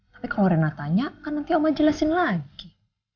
tapi kalau rena tanya kan nanti oma jelasin lagi